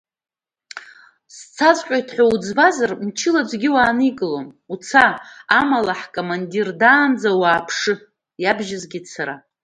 Сцаҵәҟьоит ҳәа уӡбазар, мчыла аӡәы уааникылом, уца, амала ҳкомандир даанӡа уааԥшы, иабжьызгеит сара.